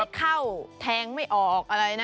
ฟันไม่เข้าแทงไม่ออกอะไรนะ